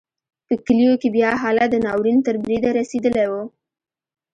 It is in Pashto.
په کلیو کې بیا حالت د ناورین تر بریده رسېدلی و.